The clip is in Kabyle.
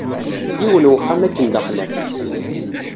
Yiwen wexxam akken d axlaf.